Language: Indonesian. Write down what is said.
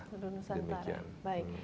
seluruh nusantara baik